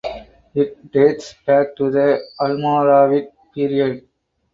It dates back to the Almoravid period.